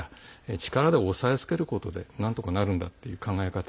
力で抑え付けることでなんとかなるんだという考え方。